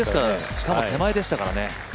しかも手前でしたからね。